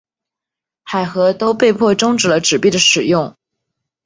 海合都被迫中止了纸币的使用。